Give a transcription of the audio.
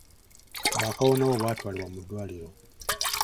Bakaawonawo baatwalibwa mu ddwaliro.